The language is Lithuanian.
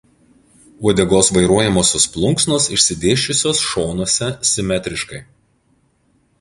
Uodegos vairuojamosios plunksnos išsidėsčiusios šonuose simetriškai.